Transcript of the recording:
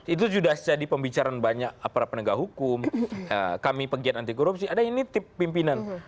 itu sudah jadi pembicaraan banyak aparat penegak hukum kami pegiat anti korupsi ada yang nitip pimpinan